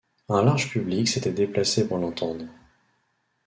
Un large public s'était déplacé pour l'entendre.